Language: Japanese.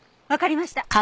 わかりました。